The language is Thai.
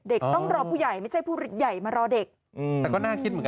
เด็กต้องรอผู้ใหญ่ไม่ใช่ผู้ใหญ่มารอเด็ก